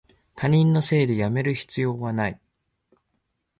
他人のせいでやめる必要はない